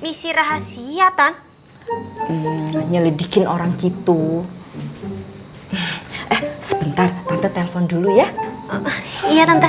misi rahasia tan nyelidikin orang gitu eh sebentar tante telpon dulu ya iya tante